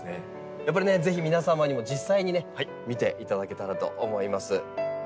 やっぱりねぜひ皆様にも実際にね見ていただけたらと思います。